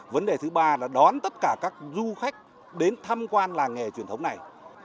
vấn đề thứ ba là đón tất cả các du khách đến tham quan làng nghề truyền thống này